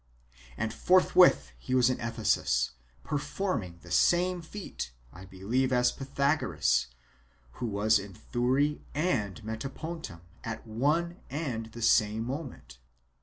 And. forthwith he was in CHAP. Ephesus, performing the same feat, I believe, as Pythagoras, who was in Thurii and 'Metapontum at one and the same moment.